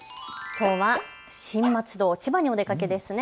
きょうは新松戸、千葉にお出かけですね。